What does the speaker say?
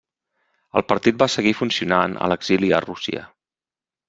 El partit va seguir funcionant a l'exili a Rússia.